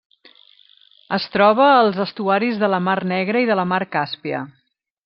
Es troba als estuaris de la Mar Negra i de la Mar Càspia.